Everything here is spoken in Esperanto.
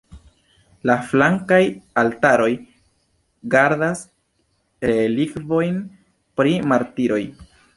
La flankaj altaroj gardas relikvojn pri martiroj.